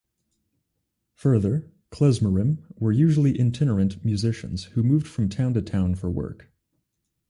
Further, klezmorim were usually itinerant musicians, who moved from town to town for work.